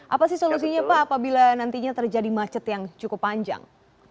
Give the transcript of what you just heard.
apa sih solusinya pak apabila nantinya terjadi macet yang cukup panjang